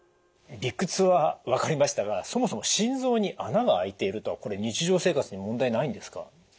理屈は分かりましたがそもそも心臓に孔が開いているとこれ日常生活に問題ないんですか？